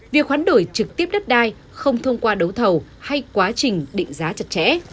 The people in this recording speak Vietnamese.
việc hoán đổi trực tiếp đất đai không thông qua đấu thầu hay quá trình định giá chặt chẽ